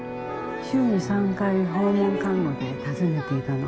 週に３回訪問看護で訪ねていたの。